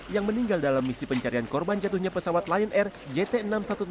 yang meninggal dalam misi pencarian korban jatuhnya pesawat lion air jt enam ratus sepuluh